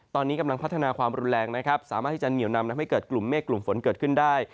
ตอนนี้กำลังพัฒนาความรุนแรงนะครับสามารถที่จะเหนียวนำทำให้เกิดกลุ่มเมฆกลุ่มฝนเกิดขึ้นได้